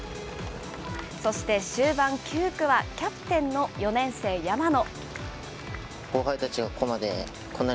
そして終盤９区は、キャプテンの４年生、山野。